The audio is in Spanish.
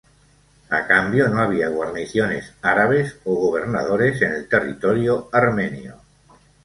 A cambio no había guarniciones árabes o gobernadores en el territorio armenio.